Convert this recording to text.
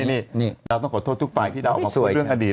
นี่เราต้องขอโทษทุกฝ่ายที่ดาวออกมาพูดเรื่องอดีต